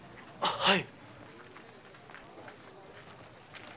はい。